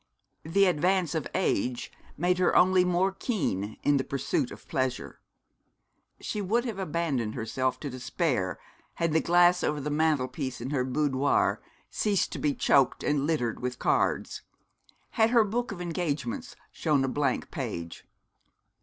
The advance of age made her only more keen in the pursuit of pleasure. She would have abandoned herself to despair had the glass over the mantelpiece in her boudoir ceased to be choked and littered with cards had her book of engagements shown a blank page.